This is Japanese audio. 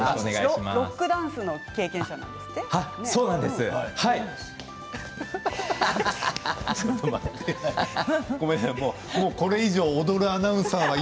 ロックダンスの経験者なんはい！